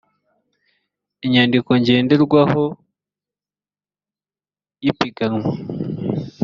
inyandiko ngenderwaho y ipiganwa